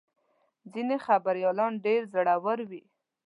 ځینې خبریالان ډېر زړور وي.